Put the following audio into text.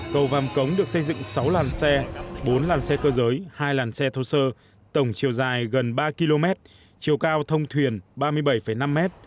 cầu vàm cống được xây dựng sáu làn xe bốn làn xe cơ giới hai làn xe thô sơ tổng chiều dài gần ba km chiều cao thông thuyền ba mươi bảy năm m